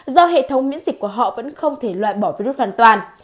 do hệ thống miễn dịch của họ vẫn không thể loại bỏ virus hoàn toàn